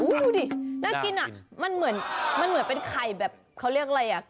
ดูดิน่ากินอ่ะมันเหมือนมันเหมือนเป็นไข่แบบเขาเรียกอะไรอ่ะ